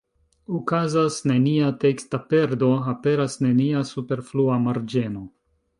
Okazas nenia teksta perdo, aperas nenia superflua marĝeno.